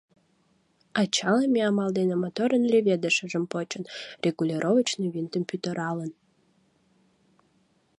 Ачалыме амал дене моторын леведышыжым почын, регулировочный винтым пӱтыралын.